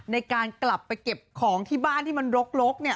ในการกลับไปเก็บของที่บ้านที่มันลกเนี่ย